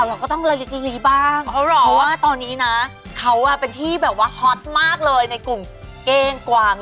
เราก็ต้องระลึกลีบ้างเพราะว่าตอนนี้นะเขาเป็นที่แบบว่าฮอตมากเลยในกลุ่มเก้งกวาง